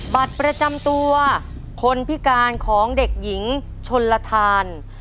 บัตรประจำตัวคนพิการของเด็กหญิงชนลทาน